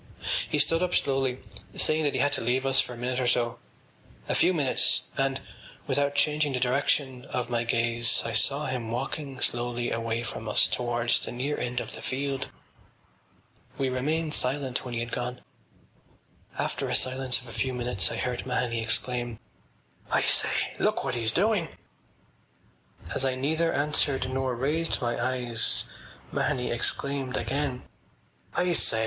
He stood up slowly, saying that he had to leave us for a minute or so, a few minutes, and, without changing the direction of my gaze, I saw him walking slowly away from us towards the near end of the field. We remained silent when he had gone. After a silence of a few minutes I heard Mahony exclaim: “I say! Look what he’s doing!” As I neither answered nor raised my eyes Mahony exclaimed again: “I say....